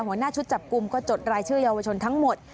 หัวหน้าชุดจับกลุ่มก็จดรายชื่อเยาวชนทั้งหมด